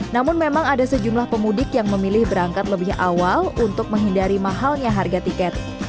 namun memang ada sejumlah pemudik yang memilih berangkat lebih awal untuk menghindari mahalnya harga tiket